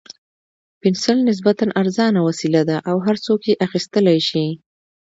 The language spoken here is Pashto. پنسل نسبتاً ارزانه وسیله ده او هر څوک یې اخیستلای شي.